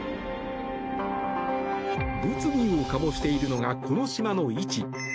物議を醸しているのがこの島の位置。